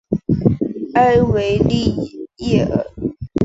埃维利耶尔。